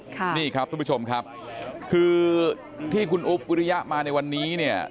ประชุมค่ะคือที่คุณอุ๊ปกฤยมาเลยวันนี้เนี่ย